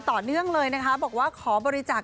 ต่อเนื่องเลยนะคะบอกว่าขอบริจาค